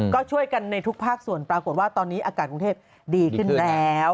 ก็ช่วยกันในทุกภาคส่วนปรากฏว่าตอนนี้อากาศกรุงเทพดีขึ้นแล้ว